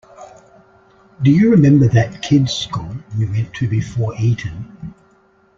Do you remember that kids' school we went to before Eton?